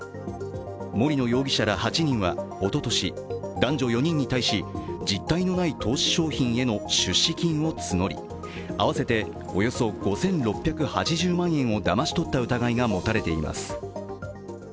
森野容疑者ら８人はおととし、男女４人に対し実体のない投資商品への出資金を募り合わせておよそ５６８０万円をだまし取った疑いが持たれています。